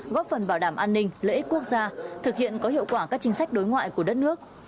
góp phần bảo đảm an ninh lợi ích quốc gia thực hiện có hiệu quả các chính sách đối ngoại của đất nước